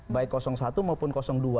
baik satu maupun dua